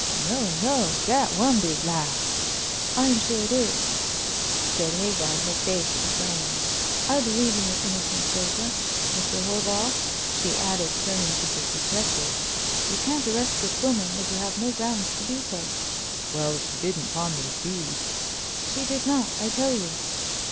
"No, no! dat one big lie!" "I am sure it is!" said Hagar, her face aflame. "I believe in your innocence, Rosa. Mr. Horval," she added, turning to the detective, "you can't arrest this woman, as you have no grounds to do so." "Well, if she didn't pawn those beads—" "She did not, I tell you."